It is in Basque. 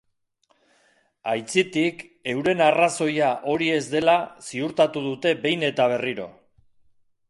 Aitzitik, euren arrazoia hori ez dela ziurtatu dute behin eta berriro.